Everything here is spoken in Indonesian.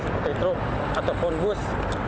seperti truk ataupun bus